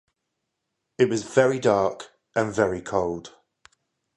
It was very dark and very cold.